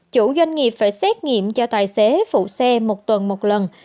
chủ doanh nghiệp phải xét nghiệm cho tài xế phụ xe một tuần một lần